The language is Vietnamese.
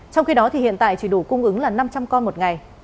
trong khi đó thì hiện tại chỉ đủ cung ứng là năm trăm linh con một ngày